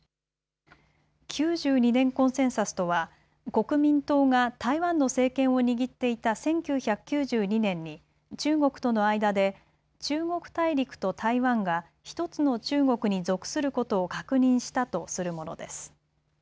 ９２年コンセンサスとは国民党が台湾の政権を握っていた１９９２年に中国との間で中国大陸と台湾が１つの中国に属することを確認したとするものです。